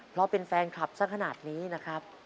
เพราะเป็นแฟนคลับสักขนาดนี้นะครับ